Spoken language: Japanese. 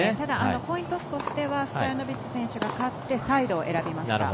コイントスとしてはストヤノビッチ選手が勝ってサイドを選びました。